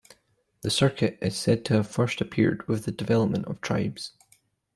This circuit is said to have first appeared with the development of tribes.